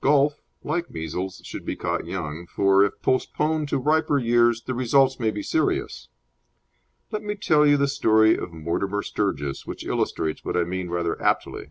Golf, like measles, should be caught young, for, if postponed to riper years, the results may be serious. Let me tell you the story of Mortimer Sturgis, which illustrates what I mean rather aptly.